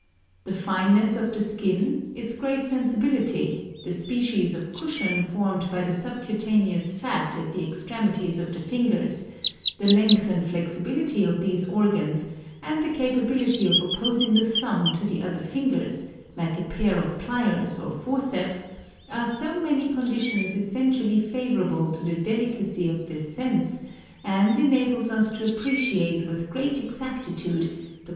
The fineness of the skin, its great sensibility, the species of cushion formed by the subcutaneous fat at the extremities of the lingers, the length and flexibility of these organs and the capabili ty of opposing the thumb to the other ringers, like a pair of plyers or forceps, are so many conditions essentially favourable to the delicacy of this sense, and enables us to appreciate with great exactitude the qualities of those bodies we may feel.